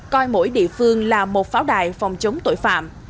coi mỗi địa phương là một pháo đài phòng chống tội phạm